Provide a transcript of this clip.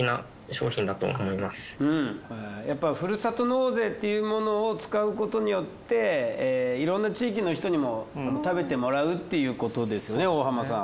やっぱりふるさと納税っていうものを使うことによっていろんな地域の人にも食べてもらうっていうことですね大浜さん。